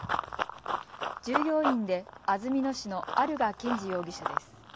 従業員で安曇野市の有賀健児容疑者です。